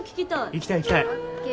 行きたい行きたい。ＯＫ。